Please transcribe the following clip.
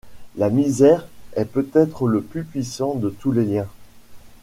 La misère est peut-être le plus puissant de tous les liens.